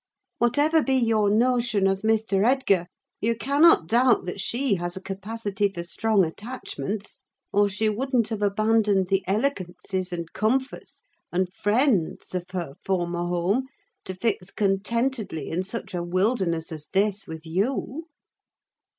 Whatever be your notion of Mr. Edgar, you cannot doubt that she has a capacity for strong attachments, or she wouldn't have abandoned the elegancies, and comforts, and friends of her former home, to fix contentedly, in such a wilderness as this, with you."